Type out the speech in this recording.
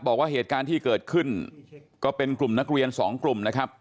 บอกว่าเหตุการณ์ที่เกิดขึ้นก็เป็นกลุ่มนักเรียนสองกลุ่มนะครับ